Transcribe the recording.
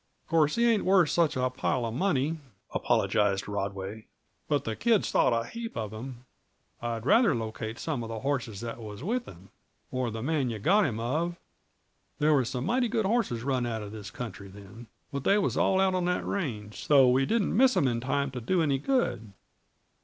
"Uh course he ain't worth such a pile uh money," apologized Rodway, "but the kids thought a heap of him. I'd rather locate some of the horses that was with him or the man yuh got him of. They was some mighty good horses run out uh this country then, but they was all out on the range, so we didn't miss 'em in time to do any good.